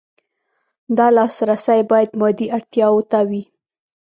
دا لاسرسی باید مادي اړتیاوو ته وي.